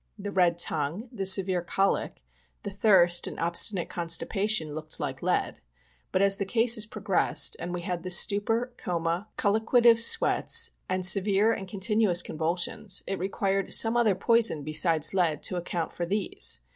The red tongue, the severe colic, the thirst and obstinate constipation looked like lead, but as the cases progressed, and we had the stupor, coma, colliqua tive sweats, and severe and continuous convulsions, it required some other poison besides lead to account for these.